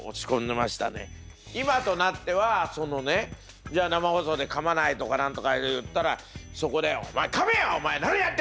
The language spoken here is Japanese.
今となってはそのねじゃあ生放送でかまないとか何とかいったらそこで「お前かめよ！何やってんだ！